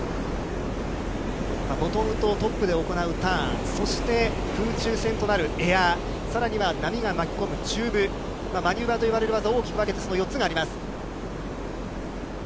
ボトムとトップで行うターン、そして空中戦となるエアー、さらには波が巻き込むチューブ、と呼ばれる大きく分けてその４つがあります。